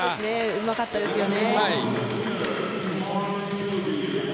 うまかったですよね。